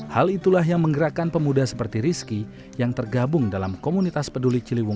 hal itulah yang menggerakkan pemuda seperti rizky yang tergabung dalam komunitas peduli ciliwung